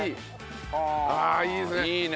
ああいいですね。